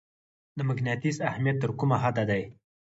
د مقناطیس اهمیت تر کومه حده دی؟